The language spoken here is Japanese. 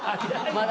まだ？